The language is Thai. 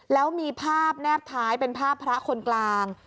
แล้วมีภาพแนบท้ายเป็นภาพพระคนกลาง